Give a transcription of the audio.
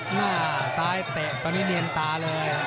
หน้าซ้ายเตะตอนนี้เนียนตาเลย